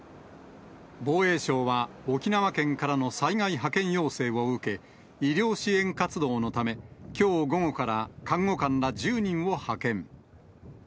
防衛省は、沖縄県からの災害派遣要請を受け、医療支援活動のため、きょう午後から看護官ら１０人を派遣。